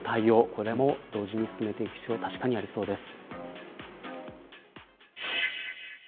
これも同時に進めていく必要が確かにありそうです。